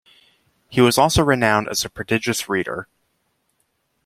He was also renowned as a prodigious reader.